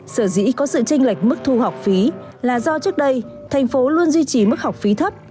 sở dĩ có sự tranh lệch mức thu học phí là do trước đây thành phố luôn duy trì mức học phí thấp